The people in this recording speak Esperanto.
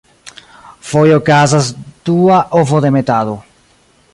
Foje okazas dua ovodemetado.